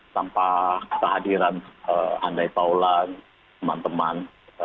tanpa kehadiran andai taulan teman teman